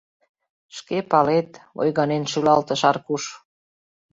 — Шке палет... — ойганен шӱлалтыш Аркуш.